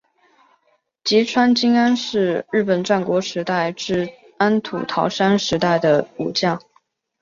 吉川经安是日本战国时代至安土桃山时代的武将。